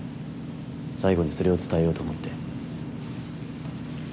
最後にそれを伝えようと思って